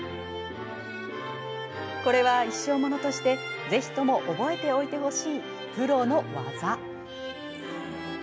これは一生ものとして、ぜひとも覚えておいてほしいプロの技。